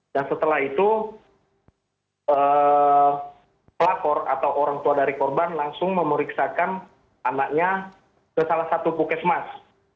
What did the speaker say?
dan setelah itu pelapor atau orang tua dari korban langsung memeriksakan anaknya ke salah satu bukes mas